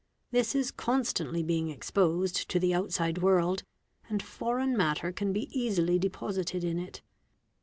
This 3 constantly being exposed to the outside world, and foreign matter can e easily deposited in it.